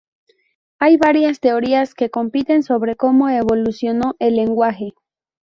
Hay varias teorías que compiten sobre como evolucionó el lenguaje.